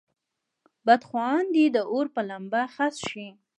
بدخواهان دې د اور په لمبه خس شي.